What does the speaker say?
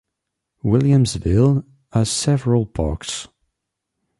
Williamsville has several parks.